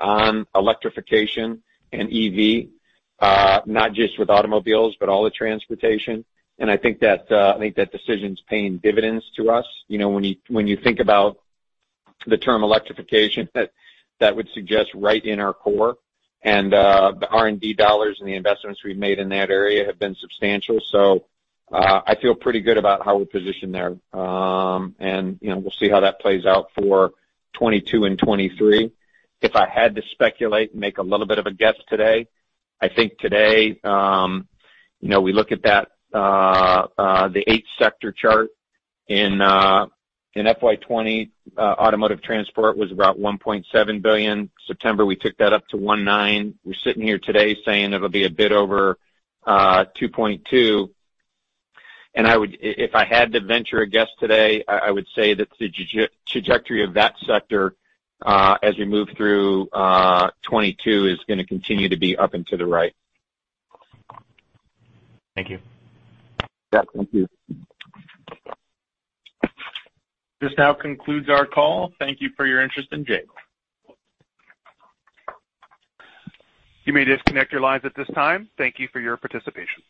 electrification and EV, not just with automobiles, but all the transportation. And I think that decision's paying dividends to us. You know, when you think about the term electrification, that would suggest right in our core. And the R&D dollars and the investments we've made in that area have been substantial. So I feel pretty good about how we're positioned there. And we'll see how that plays out for 2022 and 2023. If I had to speculate and make a little bit of a guess today, I think today, you know, we look at the eight-sector chart. In FY 2020, automotive transport was about $1.7 billion. September, we took that up $1.9 billion. we're sitting here today saying it'll be a bit over $2.2 billion. And if I had to venture a guess today, I would say that the trajectory of that sector as we move through 2022 is going to continue to be up and to the right. Thank you. Yeah. Thank you. This now concludes our call. Thank you for your interest in Jabil. You may disconnect your lines at this time. Thank you for your participation.